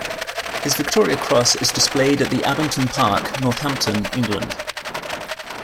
His Victoria Cross is displayed at the Abington Park, Northampton, England.